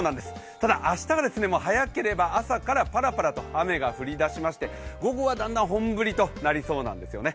ただ明日は早ければ朝からパラパラと雨が降り出しまして午後はだんだん本降りとなりそうなんですよね。